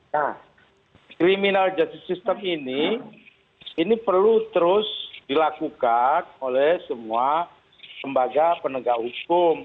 nah criminal justice system ini ini perlu terus dilakukan oleh semua lembaga penegak hukum